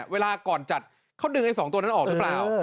เวลาก่อนจัดเขาดึงไอ้๒ตัวนั้นออกหรือเปล่า